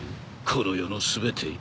この世の全て？